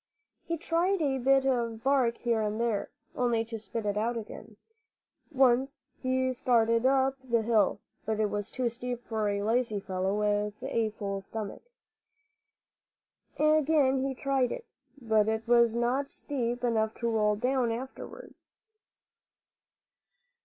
He tried a bit of bark here and there, only to spit it out again. Once he started up the hill; but it was too steep for a lazy fellow with a full stomach. Again he tried it; but it was not steep enough to roll down afterwards.